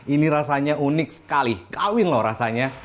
ini rasanya unik sekali kawin loh rasanya